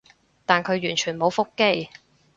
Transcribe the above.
但佢完全冇覆機